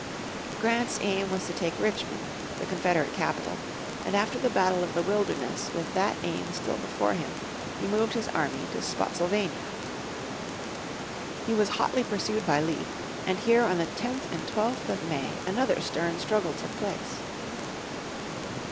Grant's aim was to take Richmond, the Confederate capital, and after the battle of the Wilderness with that aim still before him he moved his army to Spotsylvania. He was hotly pursued by Lee and here on the 10th and 12th of May another stern struggle took place.